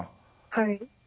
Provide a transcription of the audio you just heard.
はい。